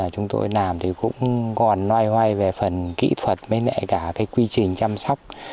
chúng tôi làm thì cũng còn loay hoay về phần kỹ thuật với lại cả cái quy trình chăm sóc